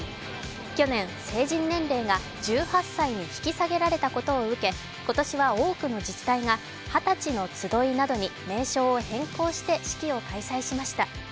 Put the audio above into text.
去年、成人年齢が１８歳に引き下げられたことを受け今年は多くの自治体が二十歳の集いなどに名称を変更して式を開催しました。